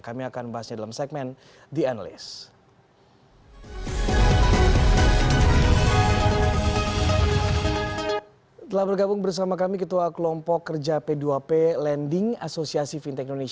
kami akan bahasnya dalam segmen the analyst